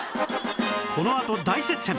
このあと大接戦！